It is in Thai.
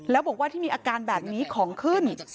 แล้วบอกว่าที่มีอาการแบบนี้ของขึ้น